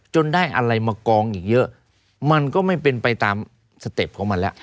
ได้อะไรมากองอีกเยอะมันก็ไม่เป็นไปตามสเต็ปของมันแล้ว